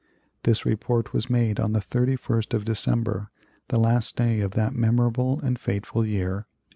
This report was made on the 31st of December the last day of that memorable and fateful year, 1860.